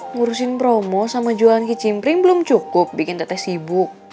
ngurusin promo sama jualan kicimpring belum cukup bikin tetes sibuk